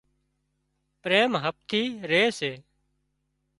پريم هپ ٿِي ري سي